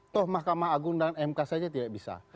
toh mahkamah agung dan mk saja tidak bisa